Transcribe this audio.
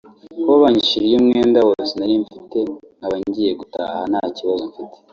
kuba banyishyuriye umwenda wose nari mfite nkaba ngiye gutaha nta kibazo mfite